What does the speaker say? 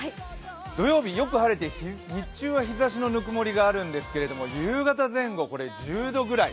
土曜日、よく晴れて日中は日ざしのぬくもりがあるんですが夕方前後、１０度ぐらい。